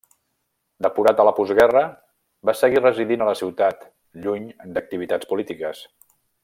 Depurat a la postguerra, va seguir residint a la ciutat lluny d'activitats polítiques.